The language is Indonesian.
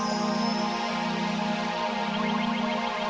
terima kasih untuk strawberry